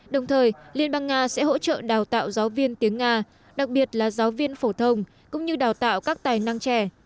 đồng thời liên bang nga sẽ hỗ trợ đào tạo giáo viên tiếng nga đặc biệt là giáo viên phổ thông cũng như đào tạo các tài năng trẻ